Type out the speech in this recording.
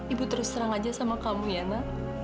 ibu terus terang aja sama kamu ya nak